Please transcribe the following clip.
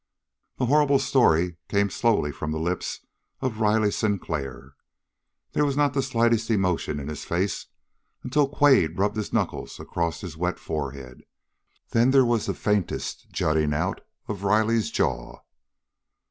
The horrible story came slowly from the lips of Riley Sinclair. There was not the slightest emotion in his face until Quade rubbed his knuckles across his wet forehead. Then there was the faintest jutting out of Riley's jaw.